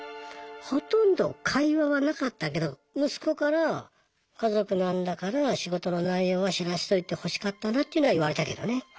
ほとんど会話はなかったけど息子から家族なんだから仕事の内容は知らしといてほしかったなっていうのは言われたけどね。